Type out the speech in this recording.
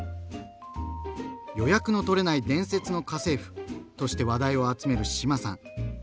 「予約のとれない伝説の家政婦」として話題を集める志麻さん。